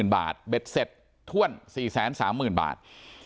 ๔๓๐๐๐๐บาทเบ็ดเศคท่วน๔๓๐๐๐๐บาท